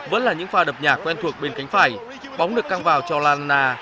vẫn là những pha đập nhạc quen thuộc bên cánh phải bóng được căng vào cho lallana